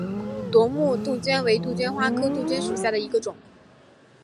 夺目杜鹃为杜鹃花科杜鹃属下的一个种。